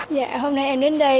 dạ hôm nay em đến đây